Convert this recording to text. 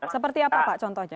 seperti apa pak contohnya